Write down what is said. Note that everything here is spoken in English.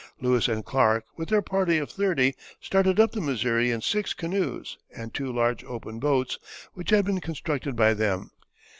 Lewis and Clark with their party of thirty started up the Missouri in six canoes and two large open boats, which had been constructed by them.